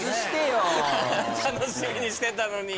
楽しみにしてたのに。